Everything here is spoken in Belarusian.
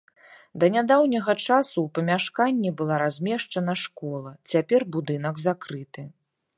Да нядаўняга часу ў памяшканні была размешчана школа, цяпер будынак закрыты.